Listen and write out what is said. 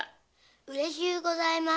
うれしゅうございます。